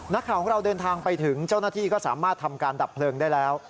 นักข่าวของเราเดินทางไปถึงเจ้าหน้าที่ก็สามารถทำการดับเพลิงได้แล้ว